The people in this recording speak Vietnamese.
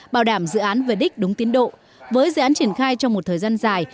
bảo đảm dự án về đích đúng tiến độ với dự án triển khai trong một thời gian dài